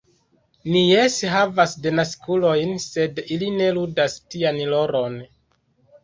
Ni jes havas denaskulojn, sed ili ne ludas tian rolon.